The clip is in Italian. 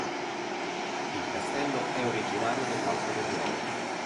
Il castello è originario dell'alto medioevo.